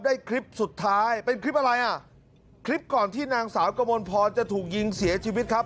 คลิปสุดท้ายเป็นคลิปอะไรอ่ะคลิปก่อนที่นางสาวกมลพรจะถูกยิงเสียชีวิตครับ